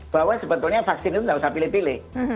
bahwa sebetulnya vaksin itu tidak usah pilih pilih